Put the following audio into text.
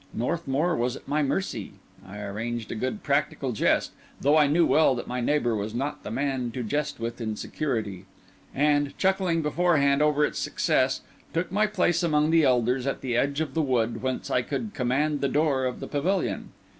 Northmour was at my mercy; I arranged a good practical jest, though I knew well that my neighbour was not the man to jest with in security; and, chuckling beforehand over its success, took my place among the elders at the edge of the wood, whence I could command the door of the pavilion.